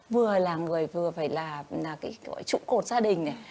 vừa là người vừa phải là cái gọi trụ cột gia đình này